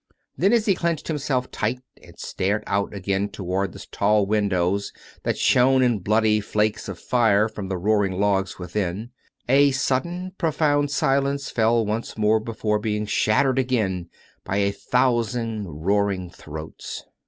Then, as he clenched himself tight and stared out again towards the tall windows that shone in bloody flakes of fire from the roaring logs within; a sudden and profound silence fell once more before being shattered again by a thousand roaring throats.